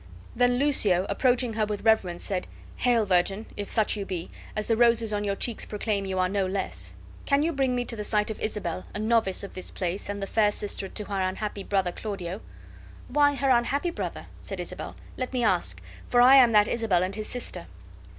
Then Lucio, approaching her with reverence, said: "Hail, virgin, if such you be, as the roses on your cheeks proclaim you are no less! Can you bring me to the sight of Isabel, a novice of this place, and the fair sister to her unhappy brother Claudio?" "Why her unhappy brother?" said Isabel, "let me ask! for I am that Isabel and his sister."